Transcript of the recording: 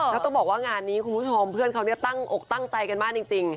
แล้วต้องบอกว่างานนี้คุณผู้ชมเพื่อนเขาตั้งอกตั้งใจกันมากจริง